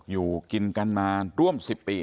อยู่กินกันมาร่วม๑๐ปี